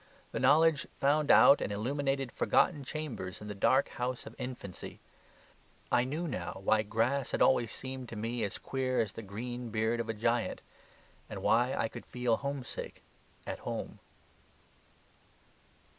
The knowledge found out and illuminated forgotten chambers in the dark house of infancy. I knew now why grass had always seemed to me as queer as the green beard of a giant, and why I could feel homesick at home.